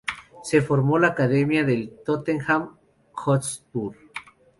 Se formó en la academia del Tottenham Hotspur.